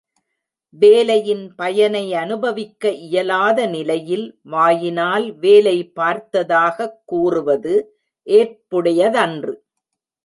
வேலையின் பயனை அனுபவிக்க இயலாத நிலையில் வாயினால் வேலை பார்த்ததாகக் கூறுவது ஏற்புடையதன்று.